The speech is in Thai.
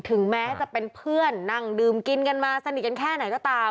ถึงแม้จะเป็นเพื่อนนั่งดื่มกินกันมาสนิทกันแค่ไหนก็ตาม